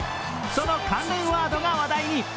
その関連ワードが話題に。